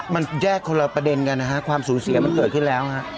มันแยกคนละประเด็นกันนะฮะความสูญเสียมันเกิดขึ้นแล้วฮะ